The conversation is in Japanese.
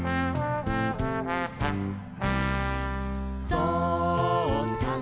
「ぞうさん